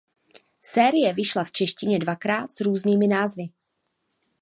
Série vyšla v češtině dvakrát s různými názvy.